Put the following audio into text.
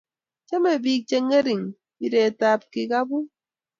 chome biik chengering bireetab kikabuu